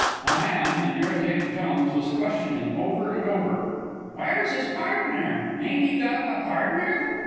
A man, in irritated tones, was questioning over and over, "Where's his pardner? Ain't he got a pardner?"